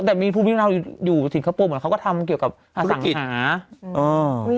แต่มีภูมิเราอยู่สิงคโปร์เหมือนเขาก็ทำเกี่ยวกับอสังกฤษหา